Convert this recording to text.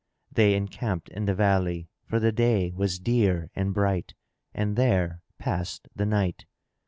They encamped in the valley, for the day was clear and bright, and there passed the night.